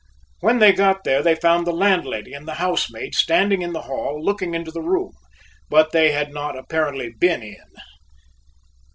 When they got there they found the landlady and the housemaid standing in the hall looking into the room, but they had not apparently been in.